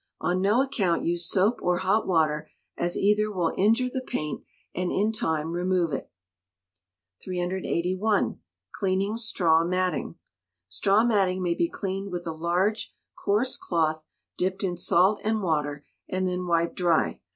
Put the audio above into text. On no account use soap or hot water, as either will injure the paint, and in time remove it. 381. Cleaning Straw Matting. Straw matting may be cleaned with a large coarse cloth dipped in salt and water, and then wiped dry.